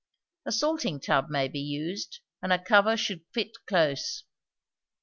A salting tub may be used, and a cover should fit close.